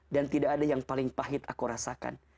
dan tidak ada yang paling pahit aku rasakan